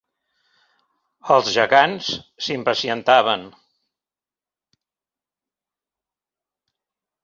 Els gegants s'impacientaven